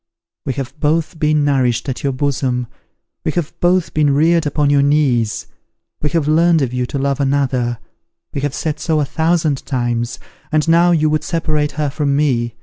We have both been nourished at your bosom; we have both been reared upon your knees; we have learnt of you to love another; we have said so a thousand times; and now you would separate her from me!